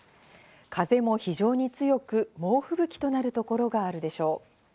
風も非常に強く、猛吹雪となるところがあるでしょう。